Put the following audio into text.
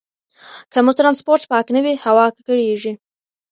که مو ټرانسپورټ پاک نه وي، هوا ککړېږي.